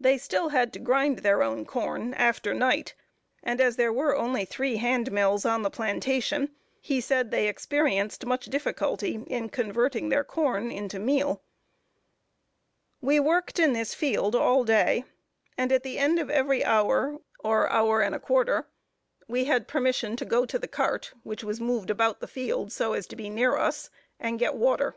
They still had to grind their own corn, after night; and as there were only three hand mills on the plantation, he said they experienced much difficulty in converting their corn into meal. We worked in this field all day; and at the end of every hour, or hour and a quarter, we had permission to go to the cart, which was moved about the field, so as to be near us, and get water.